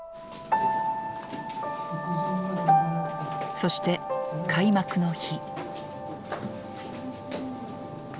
そして開幕の日。